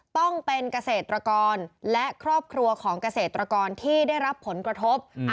ต้องเป็นเกษตรกรและครอบครัวของเกษตรกรที่ได้รับผลกระทบ